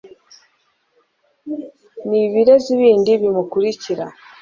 n' ibirezi bindi bimukurikira